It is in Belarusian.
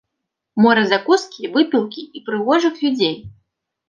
Мора закускі, выпіўкі і прыгожых людзей.